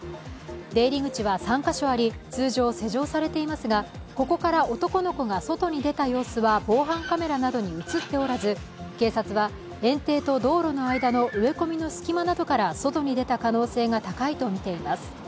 出入り口は３カ所あり、通常、施錠されていますがここから男の子が外に出た様子は防犯カメラなどに映っておらず警察は、園庭と道路の間の植え込みの隙間などから外に出た可能性が高いとみています。